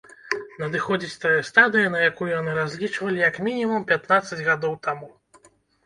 Надыходзіць тая стадыя, на якую яны разлічвалі, як мінімум, пятнаццаць гадоў таму.